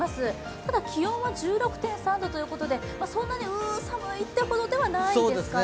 ただ気温は１６．３度ということでそんなに、うーっ寒いというほどではないですね。